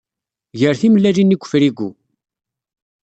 Ger timellalin-nni deg ufrigu.